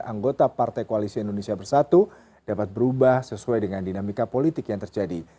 anggota partai koalisi indonesia bersatu dapat berubah sesuai dengan dinamika politik yang terjadi